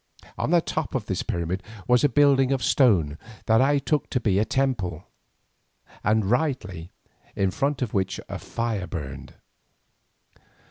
On the top of this pyramid was a building of stone that I took to be a temple, and rightly, in front of which a fire burned.